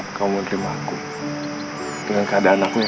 sampai jumpa di video selanjutnya